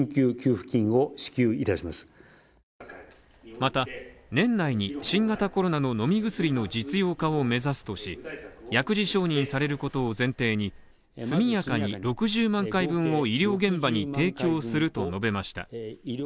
また、年内に新型コロナの飲み薬の実用化を目指すとし、薬事承認されることを前提に速やかに６０万回分を医療現場に提供すると述べました